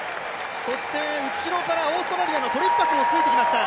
後ろからオーストラリアのトリッパスもついてきました。